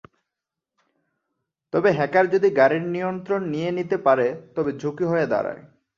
তবে হ্যাকার যদি গাড়ির নিয়ন্ত্রণ নিয়ে নিতে পারে, তবে ঝুঁকি হয়ে দাঁড়ায়।